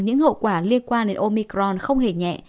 những hậu quả liên quan đến omicron không hề nhẹ